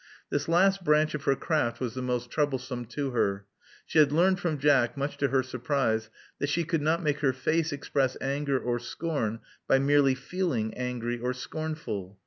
This last branch of her craft was the most troublesome to her. She had learned from Jack, much to her surprise, that she could not make her face express anger or scorn by merely feeling angry or scornful.